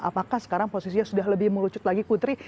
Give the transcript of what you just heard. apakah sekarang posisinya sudah lebih mengerucut lagi putri